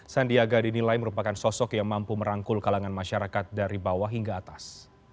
sandiaga dinilai merupakan sosok yang mampu merangkul kalangan masyarakat dari bawah hingga atas